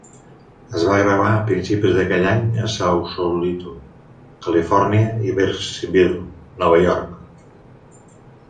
Es va gravar a principis d'aquell any a Sausalito, Califòrnia i Bearsville, Nova York.